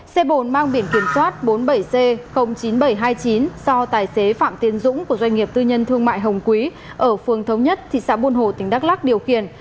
xe bồn mang biển kiểm soát bốn mươi bảy c chín nghìn bảy trăm hai mươi chín do tài xế phạm tiến dũng của doanh nghiệp tư nhân thương mại hồng quý ở phường thống nhất thị xã buôn hồ tỉnh đắk lắc điều khiển